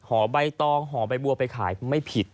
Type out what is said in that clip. ใบตองห่อใบบัวไปขายไม่ผิด